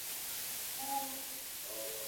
آمو سیند د افغانانو د ګټورتیا یوه برخه ده.